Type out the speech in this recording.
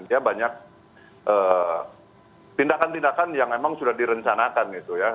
dia banyak tindakan tindakan yang memang sudah direncanakan gitu ya